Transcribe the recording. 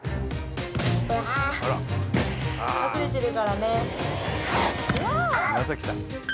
隠れてるからね。